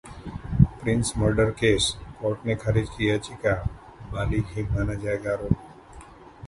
Prince murder case: court ने खारिज की याचिका, बालिग ही माना जाएगा आरोपी